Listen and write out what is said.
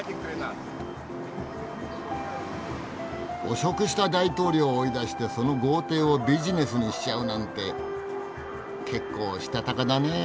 汚職した大統領を追い出してその豪邸をビジネスにしちゃうなんて結構したたかだねえ。